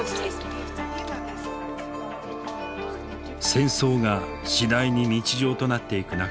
戦争が次第に日常となっていく中